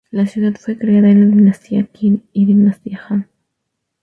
La ciudad fue creada en las Dinastía Qin y Dinastía Han.